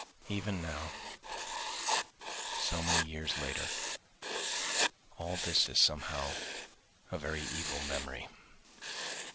Even now, so many years later, all this is somehow a very evil memory.